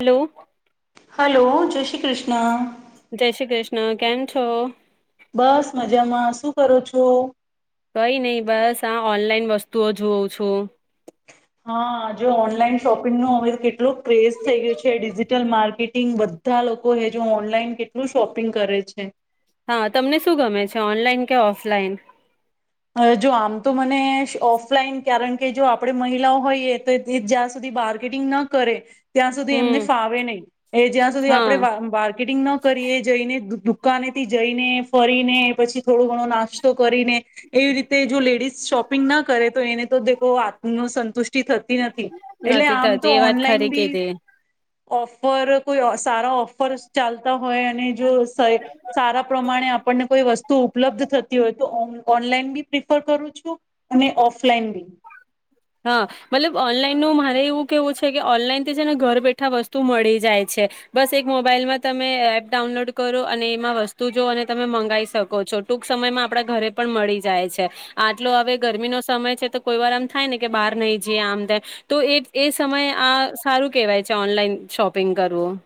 Hello. Hello જય શ્રી કૃષ્ણ. જય શ્રી કૃષ્ણ કેમ છો? બસ મજામાં શું કરો છો? કઈ નહી બસ આ ઓનલાઈન વસ્તુઓ જોઉં છું. હા. જો ઓનલાઈન શોપિંગ ન અવેલેબલ કેટલું ક્રેઝ થઈ ગયું છે ડિજિટલ માર્કેટ માર્કેટિંગ બધા લોકો હે જો ઓનલાઈન કેટલું શોપિંગ કરે છે. હા તમને શું ગમે છે ઓનલાઈન કે ઓફલાઈન? જો આમ તો મને ઓફલાઈન કારણ કે જો આપણે મહિલાઓ હોઈએ તો જ્યાં સુધી માર્કેટિંગ ન કરે ત્યાં સુધી હમ એમને ફાવે નહીં એ જ્યાં સુધી હા આપણે માર્કેટિંગ ન કરીએ જઈને દુ દુકાને થી જઈને ફરીને પછી થોડો ઘણો નાસ્તો કરીને એવી રીતે જો લેડીઝ શોપિંગ ના કરે તો એને તો દેખો આત્મ સંતુષ્ટિ થત નથી એટલે નથી આમ તો થતી એ વાત ઓનલાઈન ખરી બી કીધી ઓફર કોઈ સારા ઓફર ચાલતા હોય અને જો સારા પ્રમાણે આપ આપણને કોઈ વસ્તુ ઉપલબ્ધ થતી હોય, તો ઓન. ઓનલાઈન બી પ્રિફર કરું છું અને ઓફલાઈન બી. હા મતલબ ઓનલાઈનનું મારે એવું કેવું છે કે ઓનલાઈન છે ને ઘર બેઠા વસ્તુ મળી જાય છે બસ એક મોબાઈલમાં તમે એપ ડાઉનલોડ કરો અને એમાં વસ્તુ જો અને તમે મંગાવી શકો છો ટૂંક સમયમાં આપડા ઘરે પણ મળી જાય છે આટલો હવે ગરમીનો સમય છે તો કોઈ વાર આમ. થાય ને કે બહાર નહી જઈએ આમ થાય તો એ એ સમય આ સારું કેહેવાય છે ઓનલાઈન શોપિંગ કરવું.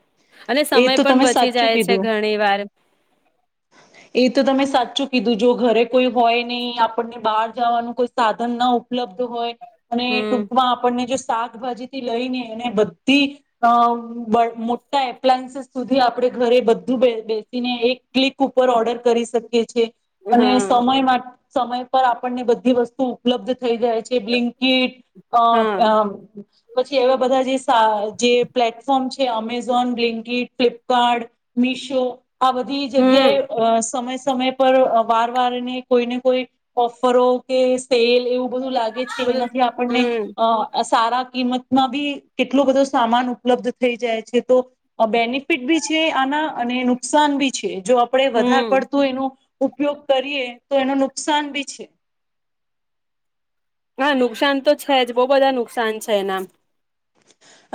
અને એ સમય તો પણ તમે બચી સાચું જાય છે કીધું ઘણી વાર. એ તો તમે સાચું કીધું જો ઘરે કોઈ હોય નહી આપણને બહાર જવાનું કોઈ સાધન ના. હમ ઉપલબ્ધ શાકભાજી થી લઈને એને બધી અ મોટા એપ્લાયન્સીસ સુધી આપણે ઘરે બધું બેસીને એક. કુકર ઓર્ડર કરી શકીએ છ છેએ અને હા સમય માટે. સમય પર આપણને બધી વસ્તુ ઉપલબ્ધ. થઈ જાય છે બ્લીનંકીટ અ હા અ. પછી એવા બધા જે જે પ્લેટફોર્મ છે અમેઝોન બ્લિંકીડ ફ્લિપકાર્ટ મીશો આ બધી. હમ આ સમય. સમય પર વાર વારને કોઈ ને કોઈ ઓફરો કે સેલ. એવું બધું લાગે છે બધું એનાથી આપણને. હમ સારા કિંમતમાં બી કેટલો બધો સામાન ઉપલબ્ધ થઈ જાય છે તો બેનિફિટ બી છે આના અને નુકસાન બી છે. જો આપણે વધારે હમ પડતુંય એનું. ઉપયોગ કરીએ તો એનું નુકસાન બી છે. હા નુકસાન તો છે જ બહુ બધા નુકસાન છે એનામ.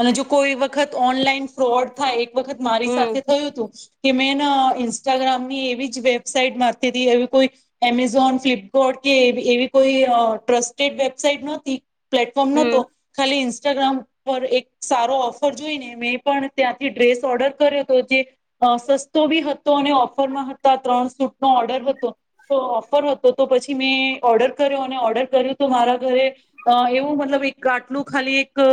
અને જો કોઈ વખત ઓનલાઈન ફ્રોડ થાય એક. એક વખત મારી હમ સાથે થયું હતું. કે મેં ને ઇન્સ્ટાગ્રામ ની એવી જ વેબસાાઈટ માતી એવી કોઈ એમેઝોન ફ્લિપકારટ કે એવી કોઈ ટ્રસ્ટેડ વેબસાાઈટ નહોતી. પ્લેટફોર્મ હમ નહોતો ખાલી. ઈન્સ્ટાગ્રામ. પર એક સારો ઓફર જોઈને મેં પણ ત્યાંથી ડ્રેસ ઓર્ડર કર્યો હતો જે સસ્તો બી હતો અને ઓફરમાં હતા ત્રણ સૂટ નો ઓર્ડર હતો તો ઓફર હતો તો પછી મેં. ઓર્ડર કર્યો અને ઓર્ડર કર્યું. તો મારા ઘરે અ એવું મતલબ એક આટલું ખાલી એક.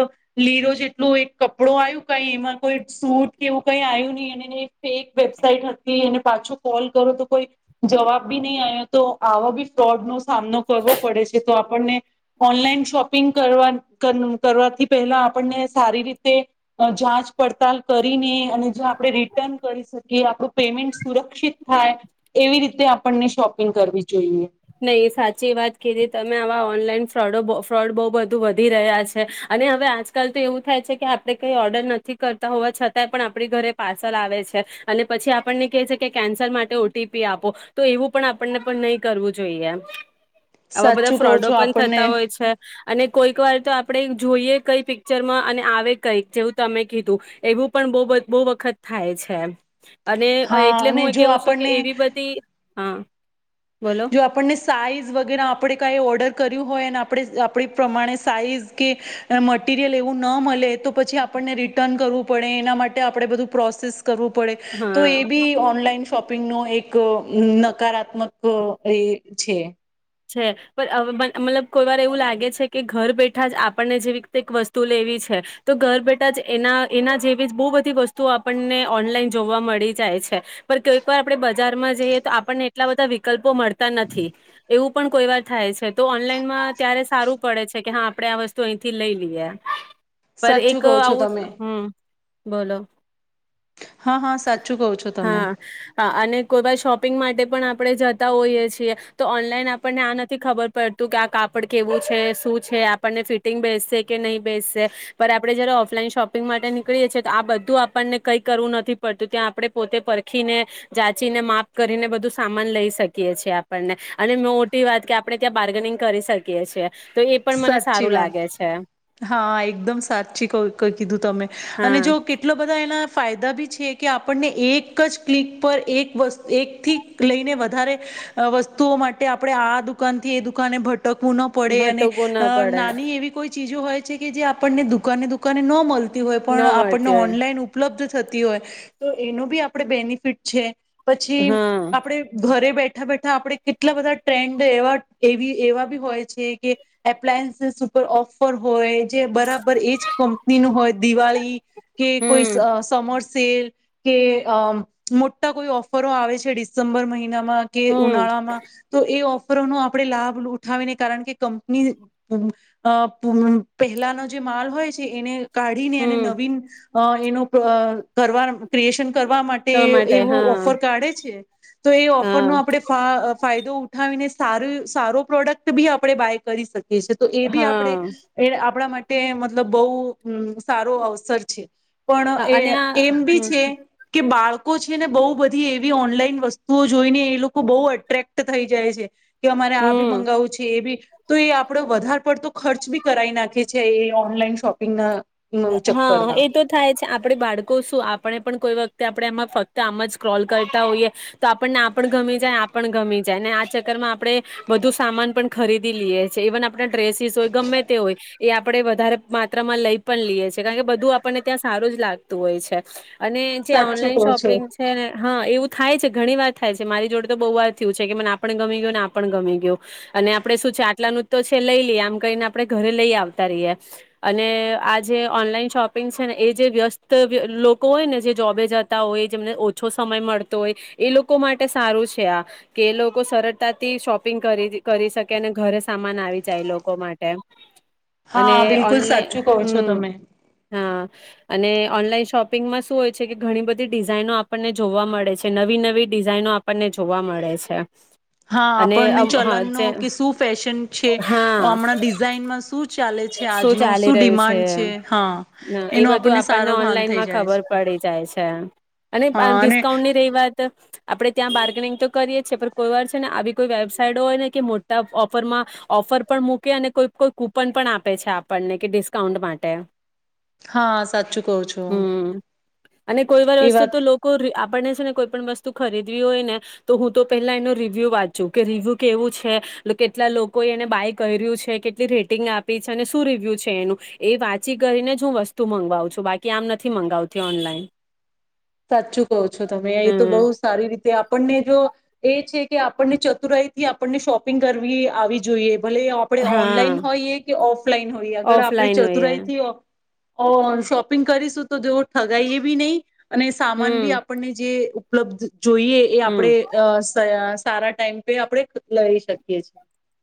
લીરો જેટલોું એક કપડો આવ્યું કઈ એમાં કોઈ સૂટ કેવું કઈ આવ્યું નહી એ ફેક વેબસાઇટ હતી એને પાછો કોલ કરો તો કોઈ જવાબ બી નહી આવ્યો તો આવા બી ફ્રોડ નો. સામનો કરવો પડે છે તો. આપને ઓનલાઈન શોપિંગ કરવા કરવાથી. પહેલા આપણને સારી રીતે જાચ પડતાલ કરીને અને જે આપણે રિટર્ન કરી શકીએ આપણું પેમેન્ટ સુરક્ષિત થાય એવી રીતે આપણને શોપિંગ કરવી છે. નહી સાચી વાત કીધી તમે આવા. ઓનલાઈન ફ્રોડો ફ્રોડ બહુ બધું વધી રહ્યા છે અને હવે આજકાલ તો એવું થાય છે કે આપણે કઈ ઓર્ડર નથી કરતા હોવા છતાંય પણ આપણી ઘરે પાર્સલ આવે છે અને પછી આપણને કહે છે કે કેન્સલ માટે ઓટીપી આપો તો એવું પણ આપણને પણ નહીં કરવું. જોઈએમ. આવા બધા સાચું કહો ફ્રોડો છો પણ આપણને થતા હોય છે અને. કોઈક વાર તો આપણે જોઈએ કઈ પિક્ચર માં અને આવે કઈક જેવું તમે કીધું એવું પણ બ બહુ વખત થાય છે. અને હા એટલે અને હું જો કેવું છું કે આપણને એવી બધી હાં. જો આપણને સાઈઝ વગેરે આપણે કાંઈ ઓર્ડર કર્યું હોય અને આપણે આપણી પ્રમાણે સાઈઝ કે મટીરિયલ એવું ન મલે તો પછી આપણને રિટર્ન કરવું પડે એના માટે આપણે બધું પ્રોસેસ કરવું પડે તો હા એ બી ઓનલાઈન શોપ શોપિંગ નો એક નકારાત્મક હ એ છે. છે પર હવે મ મતલબ કોઈ વાર એવું લાગે છે કે, ઘર બેઠા જ આપણને જેવી રીતે વસ્તુ લેવી છે તો ઘર બેઠા જ એના એના જેવી જ બહુ બધી વસ્તુઓ આપણને ઓનલાઈન જોવા મળી જાય છે, પણ કોઈક વાર આપણને બજારમાં જઈએ તો આપણને એટલા બધા વિકલ્પો મળ તા નથી. એવું પણ કોઈ વાર થાય છે, તો ઓનલાઈનમાં ત્યારે સારું પડે છે કે હા આપણે આ વસ્તુ અહીંથી લઈ લીએ. પર સાચું એક કહો છો આવું તમે હમ્મ. બોલો. હા હા સાચું કહો છો તમે હા અને કોઈ વાર શોપિંગ માટે પણ આપણે જતા હોઈએ છીએ તો ઓ નલાઈન આપણને આ નથી ખબર પડતું કે, આ કાપડ કેવું છે શું છે, આપણને ફિટિંગ બેસશે કે નહીં બેસશે પર આપણે જારે ઓફલાઈન શોપિંગ માટે નીકળીએ છીએ તો આ બધું આપણને કઈ કરવું નથી પડતું ત્યાં આપણે પોતે પરખીને જાચીને માફ કરીને બધું સામાન લઈ શકીએ છીએ આપણને અને મોટી વાત કે આપણે ત્યાં બાર્ગનિંગ કરી શકીએ છીએ. તો એ પણ મને સાચી સારું વાત લાગે છે હા એકદમ સાચી ક કીધું તમે અને હા જો કેટલા બધા એના ફાયદા બી છે કે, આપણને એક જ ક્લિક પર એક એકથી લઈને વધારે વસ્તુઓ માટે આપણે આ દુકાનથી એ દુકાને ભ ટકવું ના પડે અને ભટકવું ના પડે નાની એવી કોઈ ચીજો હોય છે કે જે આપણને દુકાને દુકાને ન મલ તી હોય ન પણ આપણને મળતી હોય ઓનલાઈન ઉપલબ્ધ થતી હોય તો એનો બી આપણે બેનિફિટ છે. પછી હા આપણે ઘરે બે બેઠા બેઠા આપણે કેટલા બધા ટ્રેન્ડ એવા એવી એવા બી હોય છે કે એપ્લાયન્સીસ ઉપર ઓફર હોય જે બરાબર એજ કંપની નું હોય દિવાળી કે કોઈ સ હમ સમરસ સેલ‌ કે અ મોટા કોઈ ઓફરો આવે છે ડિસેમ્બર મહિ નામાં કે હમ ઉનાળા માં તો એ ઓ ફરનો આપણે લાભ લૂઠાવીને કારણ કે કં [unintelligible] નીપહેલાનો જે માલ કાઢીને હમ અને નવીન અ એનું ક કરવા ક્રિએશન કરવા માટે ટમાટે એવું હા ઓફર કાઢે છે તો એ ઓફર હા નો આપડે ફાઅ ફાયદો ઉઠાવીને સાર સારો પ્રોડક્ટ બી આપે બાાયક કરી શકે તો એ બી આપણે એ આપણા માટે તે મતલબ બહુ સારો અવસર છે હા પણ એ અને આ એમ બી હમ છે કે બાળકો લોકો છે ને બહુ બધી એવી ઓનલાઈન વસ્તુઓ જોઈને એ લોકો બહુ અટ્રેક્ટ થઈ જાય છે કે અમારે આ બી હમ મંગાવું છે એ બી આપડો વધારે પડતો ખર્ચ બી કરાવ નાખી છે એ ઓનલાઈન શોપિંગ ના હા એ તો થાય છે, આપડે બાળકો શું આપ આપણે પણ કોઈ વખતે આપણે આમાં ફક્ત આમ જ ક્રોલ કરતા હોઈએ તો આપણને આ ગમી જાય આ ગમી જાય આ ચક્કરમાં આપણે વધુ સામાન પણ ખરીદી લઈએ છએ ઇવન આપણા ડ્રેસીસ હોય ગમે તે હોય એ આપણે વધારે માત્રામાં લઈ પણ લઈએ છે કારણ કે બધું આપણને ત્યાં સારું જ લાગતું હોય છે અને જે સાચું ઓનલાઈન કહો છો શોપિંગ છે ને હા, એવું થાય છે ઘણી વાર થાય છે મારી જોડે તો બહુ વાર થયું છે કે મને આપને ગમી ગયું ને આપણ ગમી ગયું અને આપડે શું છે આટલા નુ જ તો છે લઈ લઈએ આમ કહીને આપણે ઘરે લઈ આવતા રહીએ અને જે ઓનલાઈન શોપિંગ છે ને એ જે વ્યસ્ત લોકો હોય ને જે જોબે જતા હોય જેમને ઓછો સમય મળતો હોય એ લોકો માટે સારું છે આ કે એ લોકો સરળતાથી શોપિંગ કરી શકે અને ઘરે સામાન આવી જાય એ લોકો માટે અને હા બિલકુલ ઓનલાઈન સાચું કહો છો છો હમ તમે અને ઓનલાઈન શોપિંગમાં શું હોય છે કે ઘણી બધી ડિઝાઇનો આપણને જોવા મળે છે નવી નવી ડિઝાઇનો આપણને જોવા મળે છે હા, અને આપણને અમ હા ચલનનો જે કે શું ફેશન છે હા હમણાં ડિઝાઇનમાં શું ચાલે છે શું આજનો ચાલી રહ્યું છે ડિમાન્ડ હા એ એનો બધું આપણને સારો ભાન થઈ ઓનલાઈનમાં જાય છે ખબર પડી જાય છે અને હા અને ડિસ્કાઉન્ટની રહી વાત આપણે ત્યાં બાર્ગેનિંગ તો કરીએ પણ કોઈ વાર છે ને આવી કોઈ વેબસાઈટ હોય ને કે મોટા ઓફરમાં ઓફર પણ મૂકે અને કોઈ કોઈ કુપન પણ આપે આપે છે આપણને કે ડિસ્કાઉન્ટ માટે હા સાચું કહો છો હમ, અને કોઈ વાર એ વસ્તુ વાત તો લોકો આપને છે ને કોઈ પણ વસ્તુ ખરીદવી હોય ને તો હું તો પેલા એનો રિવ્યુ વાંચુ કે રિવ્યુ કેવું છે કેટલા લોકો એને બાય કર્યું છે કેટલી રેટિંગ આપે શું રિવ્યુ છે એનું એ વાંચી કરીને જ હું વસ્તુ મંગાવું છું બાકી આમ નથી મંગાવતી ઓનલાઈન સાચું કહો છો તમે એ તો બહુ હમ સારી રીતે આપણને જો એ છે કે આપણને ચતુરાઈ થી આપણને શોપિંગ કરવી આવી જોઈએ ભલે આપણે હા ઓનલાઈન હોઈએ કે ઓફલાઈન હોઈએ અગર આપણે ઓફલાઈન હોય એ. ચતુરાઈથી ઓ શોપિંગ કરીશું તો જોવ ઠગાવ એ બી નહી અને સામાન બી હમ આપણને જે ઉપલબ્ધ જોઈએ એ હમ આપણેે અ સારા ટાઈમ પે આપણે લઈ શકીએ છીએ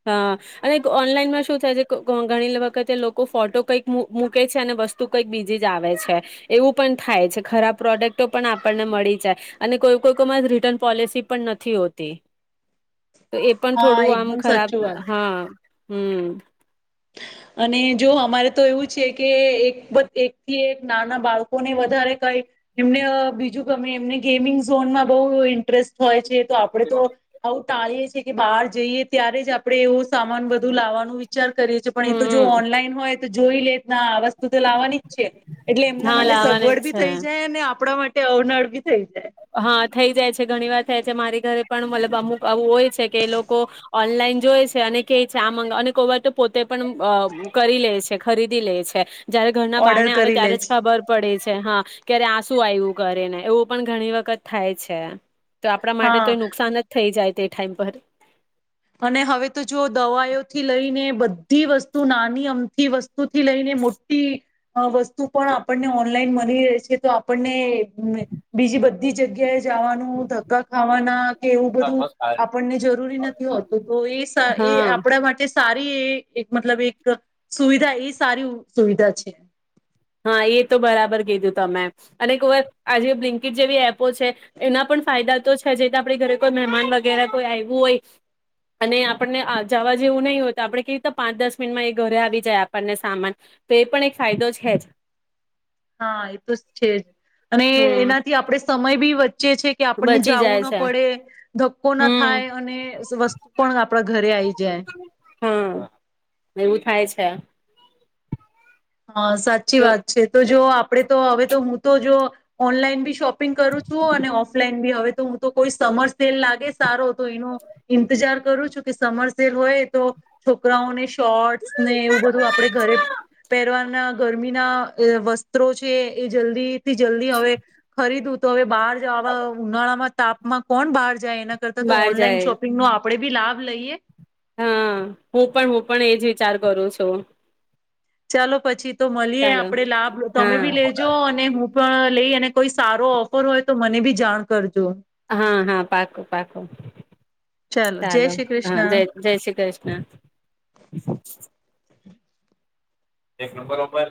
હા, અને ઓનલાઈનમાં શું થાય છે ઘણી વખતે લોકો ફોટો કંઈક મૂકે છે અને વસ્તુ કંઈક બીજી જ આવે છે એવું પણ થાય છે ખરાબ પ્રોડક્ટો પણ આપણને મળી જાય અને કોઈ કોઈમાં જ રિટર્ન પોલિસી પણ નથી હોતી તો એ પણ હા થોડું આમ એકદમ ખરાબ સાચું વાત. હા. હમ. અને જો અમારે તો એવું છે કે એક એકથી એક નાના બાળકોને વધારે કઈ એમને બીજું ગમે એમને ગેમિંગ ઝોનમાં બહુ ઇન્ટરેસ્ટ હોય છે. તો આપડે તો. ટાળીએ છી કે બહાર જઈએ ત્યારે જ આપડે એવું સામાન બધું લાવવાનું વિચાર. કરીી પણ એ તો જો હમ ઓનલાઈન હોય. જોઈ લે ના. વતુ તો લાવવાની જ છે એટલે એમના હા માટે લાવવાની જ સગવડ બી છે થઈ જાય અનેને આપણા માટે... તે અવનળ બી થઈ જાય. હા થઈ જાય છે ઘણી વાર થાય છે મારી ઘરે પણ મતલબ અમુક આવું હોય છે કે એ લોકો ઓનલાઈન જોય છે અને કે છે આ અને કોઈ વાર તો પોતે પણ કરી લે છે ખરીદી લે છે. જયારે ઘરના બહાર ઓર્ડર ને આવે કરી લે ત્યારે જ છે ખબર પડે. હા ક્યારે આસું આવ્યું કરે ને એવું પણ ઘણી વખત. વત થાય છે. તો આપણા માટે હા તો નુકસાન જ થઈ જાય. તે ટાઈમ પર. અને હવે તો જો દવાઓ થી લઈને બ. ી વસ્તુ નાની અમથી વસ્તુ થી લઈને મોટી વસ્તુ પણ આપણને ઓનલાઈન મળી રહે છે તો આપણને બીજી બધી જગ્યાએ. જવાનું ધક્કા ખાવાના કે એવું બધું આપણને જરૂરી નથી. હતું તો એ એ હા આપણા માટે. સારી એ એક મતલબ એક સુવિધા એ સારી સુવિધા છે. હા એ તો બરાબર કીધું તમે અને આજે બ્લિંકટ જેવી એપો છે એના પણ ફાયદા તો છે જે તો આપણે ઘરે કોઈ મહેમાન વગેરે કોઈ આવું હોય અને આપણને જવા જેવું નહીં હોય તો આપણે કી પાંચ દસ મિનિટમાં એ ઘરે આવી જાય આપણને સામાન તો એ પણ એક ફાયદો છે જ. હા એ તો છે જ અને હમ એનાથી આપણે. સમય બી વચ્ચે. ચે છે કે આપણને બચી જવું જાય ના છે પડે ધક્કો ના હમ થાય અને વસ્તુ પણ આપણા ઘરે આવી જાય. હા એવું થાય છે. હા સાચી તો વાત છે તો જો. આપડે તો હવે તો હું તો જો ઓનલાઈન બી શોપ. પિંગ કરું છું અને ઓફલાઈન બી હવે. તો હું તો કોઈ સમર સેલ લાગે સારો તો એનો ઈંતજાર કરું છું કે સમર સેલ હોય તો છોકરાઓને શોર્ટ્સ ને એવું બધું આપડ ઘરે. પહેરવાના ગરમીના વસ્ત્રો છે એ જલ્દી. થી જલ્દી હવે ખરીદ. બહાર જાવા ઉનાળામાં. તાપ માં કોણ બહાર જાય એના કરતા બહાર ઓનલાઈન જાય શોપિંગ નો આપડે ભી લાભ લઈએ હા તો ચાલો પછી તો મલીએ આપડે લાભ, તમે બી હા લેજો અને હું પણ લઈ અને કોઈ સારો ઓફર હોય તો મને બી જાણ કર હા હા પાકું પાકુ જય ચાલો, શ્રી હા, કૃષ્ણ જય જય શ્રી કૃષ્ણ. એ પણ બરોબર